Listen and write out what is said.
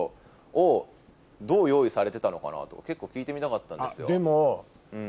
されてたのかなとか結構聞いてみたかったんですよ。